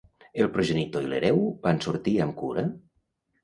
El progenitor i l'hereu van sortir amb cura?